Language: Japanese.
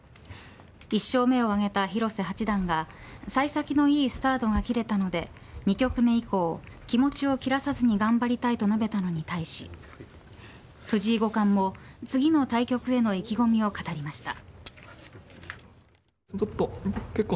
一勝目を挙げた広瀬八段が幸先のいいスタートが切れたので２局目以降気持ちを切らさずに頑張りたいと述べたのに対し藤井五冠も次の対局への意気込みを語りました。